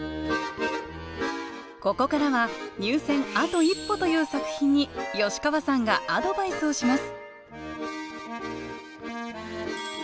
ここからは入選あと一歩という作品に吉川さんがアドバイスをします